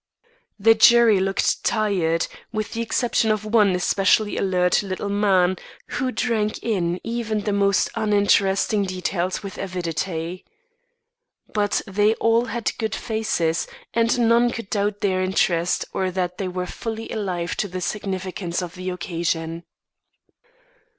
The jury looked tired, with the exception of one especially alert little man who drank in even the most uninteresting details with avidity. But they all had good faces, and none could doubt their interest, or that they were fully alive to the significance of the occasion.